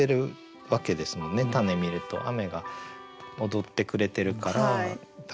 たね見ると雨が踊ってくれてるから多分。